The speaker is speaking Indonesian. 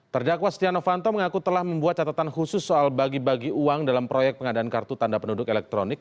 terdakwa stiano fanto mengaku telah membuat catatan khusus soal bagi bagi uang dalam proyek pengadaan kartu tanda penduduk elektronik